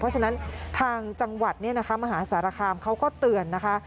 เพราะฉะนั้นทางจังหวัดมหาสารคามเขาก็เตือนนะคะ